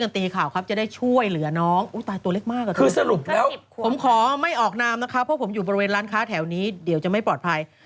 แถวนี้เดี๋ยวจะไม่ปลอดภัย